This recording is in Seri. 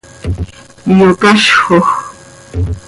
iyocazjoj.